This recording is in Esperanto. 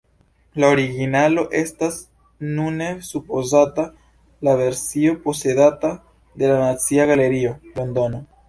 La originalo estas nune supozata la versio posedata de la Nacia Galerio, Londono.